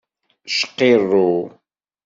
Cqirru.